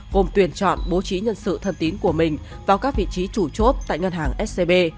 gồm tuyển chọn bố trí nhân sự thân tín của mình vào các vị trí chủ chốt tại ngân hàng scb